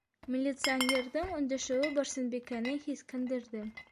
- Милиционерҙың өндәшеүе Барсынбикәне һиҫкәндерҙе.